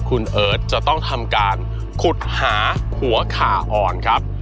คุณเอิร์ทจะต้องทำการขุดหาหัวขาอ่อนครับ